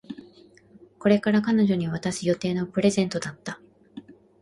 これから彼女に渡す予定のプレゼントだった